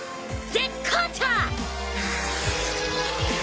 絶好調！